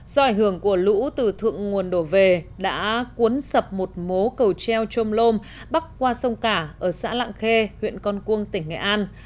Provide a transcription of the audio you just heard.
do ảnh hưởng của lũ từ thượng nguồn đổ về đã cuốn sập một mố cầu treo trôm lôm bắc qua sông cả ở xã lạng khê huyện con cuông tỉnh nghệ an